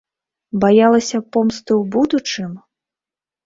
Баялася помсты ў будучым?